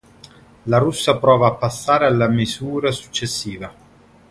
La russa prova a passare alla misura successiva.